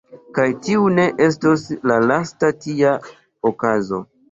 Kaj tiu ne estos la lasta tia okazo.